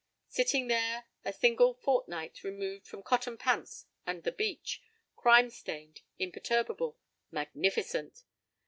Sitting there, a single fortnight removed from cotton pants and the beach, crime stained, imperturbable, magnificent!